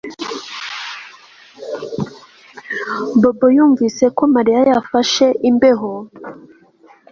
Bobo yumvise ko Mariya yafashe imbeho